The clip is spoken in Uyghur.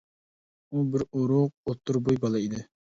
ئۇ بىر ئورۇق، ئوتتۇرا بوي بالا ئىدى.